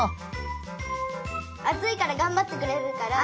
あついからがんばってくれるから。